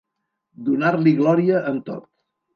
Donar-li glòria en tot.